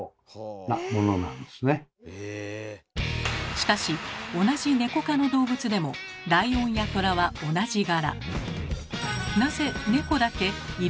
しかし同じネコ科の動物でもライオンやトラは同じ柄。